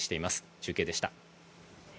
中継でした。